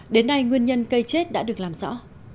đến nay nguyên nhân cây chết đã được làm rõ